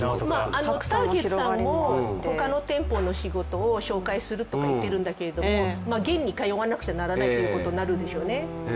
ターゲットさんも他の店舗の仕事を紹介すると言っているんだけれども、現に通わなくちゃいけないということになるでしょうね。